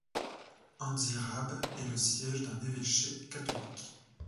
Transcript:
Antsirabe est le siège d'un évêché catholique.